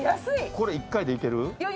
これ１回でいける？